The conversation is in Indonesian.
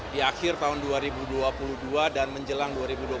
di akhir tahun dua ribu dua puluh dua dan menjelang dua ribu dua puluh satu